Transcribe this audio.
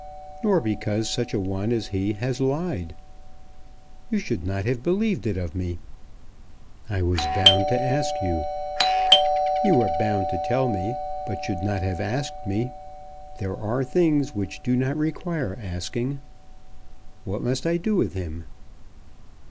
"Nor because such a one as he has lied. You should not have believed it of me." "I was bound to ask you." "You were bound to tell me, but should not have asked me. There are things which do not require asking. What must I do with him?"